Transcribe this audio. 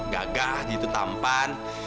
gagah gitu tampan